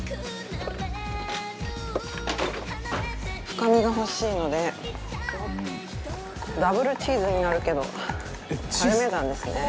深みが欲しいのでダブルチーズになるけどパルメザンですね。